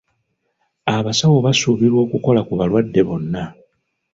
Abasawo basuubirwa okukola ku balwadde bonna.